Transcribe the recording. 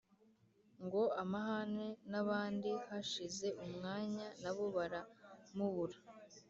Ngo ahamane n’abandi hashize umwanya nabo baramubura